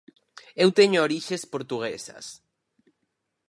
Eu teño orixes portuguesas.